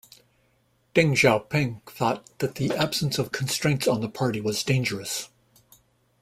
Deng Xiaoping thought that the absence of constraints on the Party was dangerous.